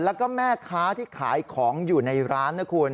และแม่ค้าที่ขายเขาของอยู่ในร้าน